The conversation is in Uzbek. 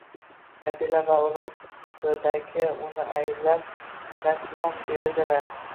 Qabila va urugʻidagilar uni ayblab, dashnom berdilar